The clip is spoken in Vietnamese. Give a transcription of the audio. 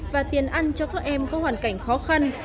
và tiền ăn cho các em có hoàn cảnh khó khăn